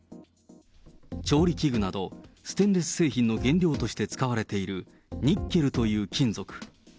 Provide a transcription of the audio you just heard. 調理器具などステンレス製品の原料として使われているニッケルという金属。